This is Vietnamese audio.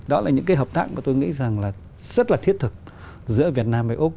đó là những cái hợp tác mà tôi nghĩ rằng là rất là thiết thực giữa việt nam với úc